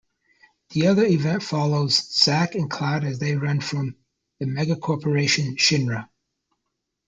The other event follows Zack and Cloud as they run from the megacorporation Shinra.